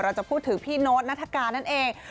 จะพูดถึงพี่โน๊ตนัฐกานั่นเอง